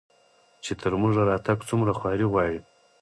چې تر موږه راتګ څومره خواري غواړي